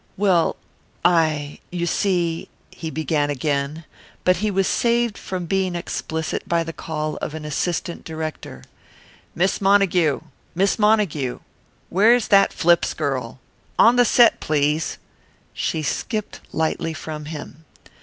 "Well, I you see " he began again, but he was saved from being explicit by the call of an assistant director. "Miss Montague. Miss Montague where's that Flips girl on the set, please." She skipped lightly from him.